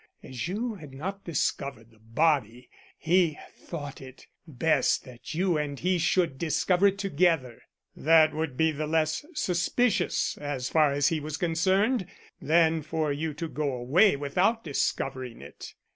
As you had not discovered the body, he thought it best that you and he should discover it together. That would be less suspicious, as far as he was concerned, than for you to go away without discovering it.